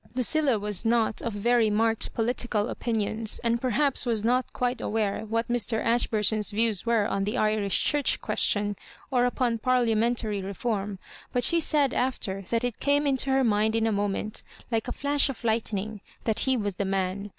Lucilla was not of very marked political opinions, and perhaps was not quite aware what Mr. Ashburton's views were on th( Irish Church question, or upon parliamentarj reform ; but she said after, that it came into het mind in a moment, like a flash of lightning, that he was the man.